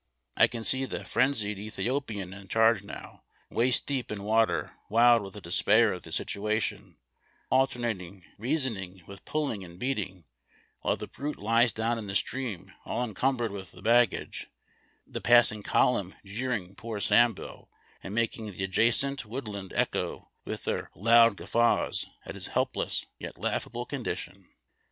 I can see the frenzied Ethiopian in charge, now, waist deep in water, wild with despair at the situation, alternating reasoning with pulling and beating, while the brute lies down in the stream all encumbered with the baggage, the passing column jeering poor Sambo, and making the adjacent woodland echo with their loud guffaws at his helpless yet laughable condition.